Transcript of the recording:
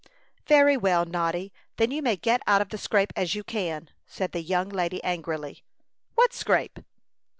"Very well, Noddy; then you may get out of the scrape as you can," said the young lady, angrily. "What scrape?"